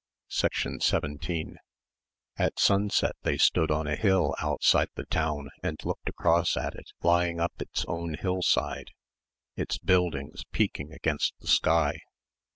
17 At sunset they stood on a hill outside the town and looked across at it lying up its own hillside, its buildings peaking against the sky.